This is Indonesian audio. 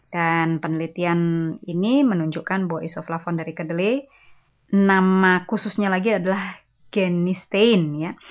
dan penelitian ini menunjukkan bahwa isoflavon dari kedelai nama khususnya lagi adalah genistein ya